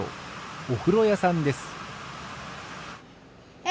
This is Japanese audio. おふろやさんです。